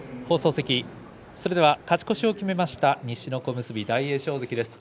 勝ち越しを決めました西の小結大栄翔関です。